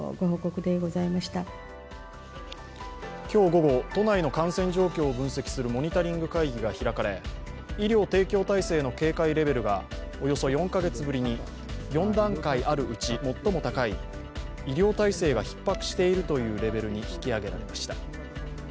今日午後、都内の感染状況を分析するモニタリング会議が開かれ医療提供体制の警戒レベルがおよそ４カ月ぶりに４段階あるうち最も高い医療体制が逼迫しているというレベルに引き上げられました。